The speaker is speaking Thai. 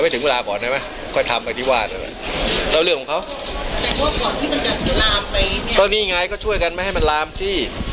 ทุกตอนนี้ไงก็ช่วยกันมาให้มันลามสิ